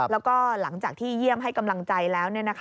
แล้วก็หลังจากที่เยี่ยมให้กำลังใจแล้ว